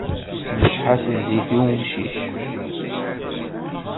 Issemceḥ-as zzit i wemcic.